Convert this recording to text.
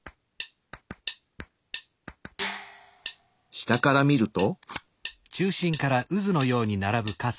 下から見ると。